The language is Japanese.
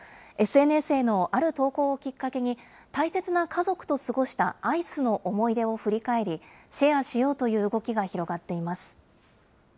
ＳＮＳへのある投稿をきっかけに、大切な家族と過ごしたアイスの思い出を振り返り、シェアしようという動きが広がっています。